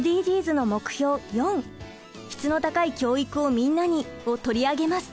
４「質の高い教育をみんなに」を取り上げます。